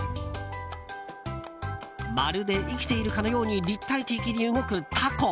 まるで生きているかのように立体的に動くタコ。